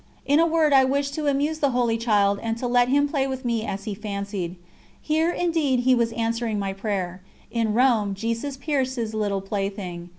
In a word I wished to amuse the Holy child and to let Him play with me as He fancied. Here indeed He was answering my prayer. In Rome Jesus pierced His little plaything.